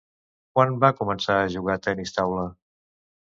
Quan va començar a jugar tenis taula?